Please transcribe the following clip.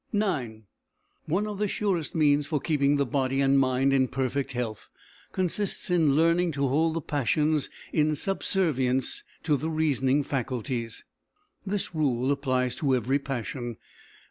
IX One of the surest means for keeping the body and mind in perfect health consists in learning to hold the passions in subservience to the reasoning faculties. This rule applies to every passion.